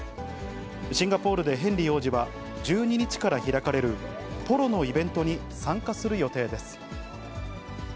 シンガポールでヘンリー王子は、１２日から開かれるポロのイベントに参加する予定です。